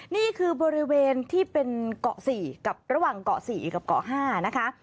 นี่คือบริเวณที่เป็นเกาะ๔กับระหว่างเกาะ๔กับเกาะ๕นะคะ